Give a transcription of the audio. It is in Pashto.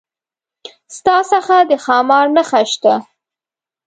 ستا څخه د ښامار نخښه شته؟